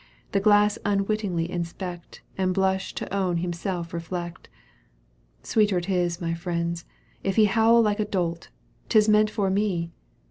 The glass unwittingly inspect And blush to own himself reflect. Sweeter it is, my friends, if he Howl like a dolt : 'tis meant for me